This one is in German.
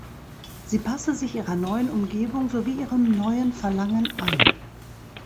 Sie passe sich ihrer neuen Umgebung sowie ihrem neuen Verlangen an.